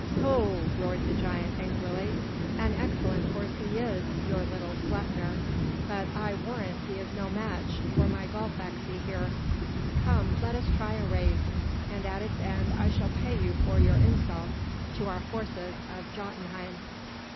"Ho!" roared the giant angrily, "an excellent horse he is, your little Sleipnir. But I warrant he is no match for my Gullfaxi here. Come, let us try a race; and at its end I shall pay you for your insult to our horses of Jotunheim."